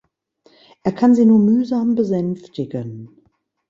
Er kann sie nur mühsam besänftigen.